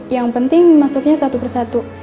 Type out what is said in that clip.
yang penting masuknya satu persatu